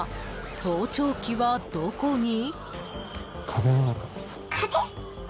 盗聴器はどこに？